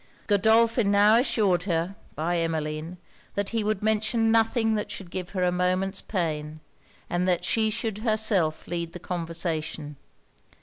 Godolphin now assured her, by Emmeline, that he would mention nothing that should give her a moment's pain, and that she should herself lead the conversation.